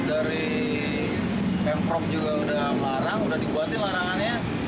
dari pemprov juga udah larang udah dibuat larangannya